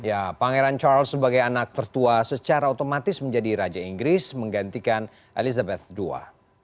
ya pangeran charles sebagai anak tertua secara otomatis menjadi raja inggris menggantikan elizabeth ii